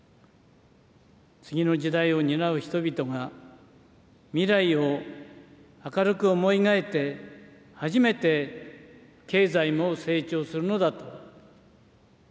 次の時代を担う人々が、未来を明るく思い描いて初めて経済も成長するのだと。